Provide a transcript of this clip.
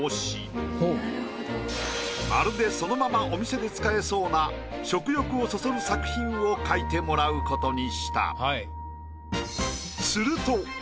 まるでそのままお店で使えそうな食欲をそそる作品を描いてもらうことにした。